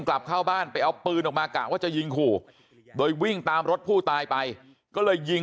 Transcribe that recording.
อ่าบอก